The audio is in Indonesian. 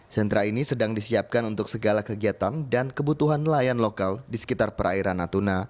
sentra ini sedang disiapkan untuk segala kegiatan dan kebutuhan nelayan lokal di sekitar perairan natuna